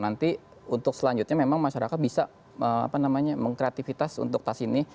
nanti untuk selanjutnya memang masyarakat bisa mengkreativitas untuk tas ini